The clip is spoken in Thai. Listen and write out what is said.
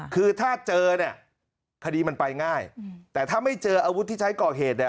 คือถ้าเจอเนี่ยคดีมันไปง่ายแต่ถ้าไม่เจออาวุธที่ใช้ก่อเหตุเนี่ย